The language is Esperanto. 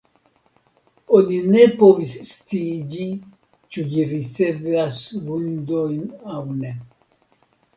Oni ne povis sciiĝi ĉu ĝi ricevas vundojn aŭ ne.